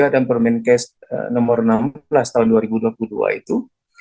dan permain case nomor enam belas tahun dua ribu dua puluh dua itu